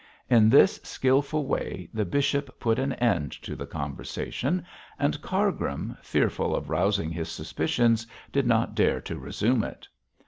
In this skilful way the bishop put an end to the conversation, and Cargrim, fearful of rousing his suspicions, did not dare to resume it.